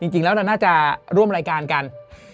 จริงแล้วเราน่าจะร่วมรายการกัน